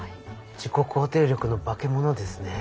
自己肯定力のバケモノですね。